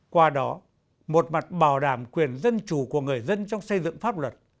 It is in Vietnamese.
qua đó một mặt bảo đảm quyền dân chủ của người dân trong xây dựng pháp luật